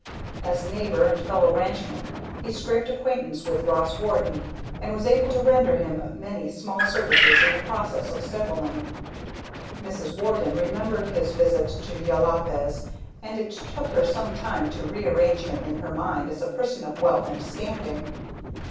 As a neighbor and fellow ranchman, he scraped acquaintance with Ross Warden, and was able to render him many small services in the process of settling. Mrs. Warden remembered his visit to Jopalez, and it took her some time to rearrange him in her mind as a person of wealth and standing.